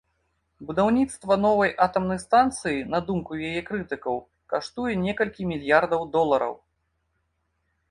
Будаўніцтва новай атамнай станцыі, на думку яе крытыкаў, каштуе некалькі мільярдаў долараў.